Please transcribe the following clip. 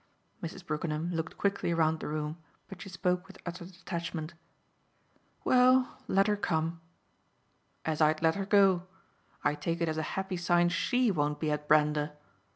Mrs. Brookenham looked quickly round the room, but she spoke with utter detachment. "Well, let her come." "As I'd let her go. I take it as a happy sign SHE won't be at Brander."